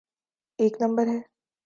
ایک نمبر ہے؟